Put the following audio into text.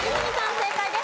正解です。